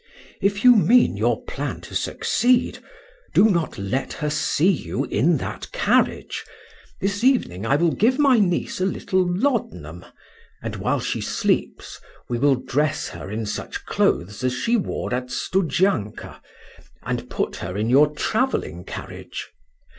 "If you mean your plan to succeed, do not let her see you in that carriage. This evening I will give my niece a little laudanum, and while she sleeps, we will dress her in such clothes as she wore at Studzianka, and put her in your traveling carriage.